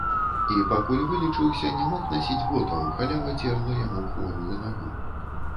І пакуль вылечыўся, не мог насіць ботаў, халява церла яму хворую нагу.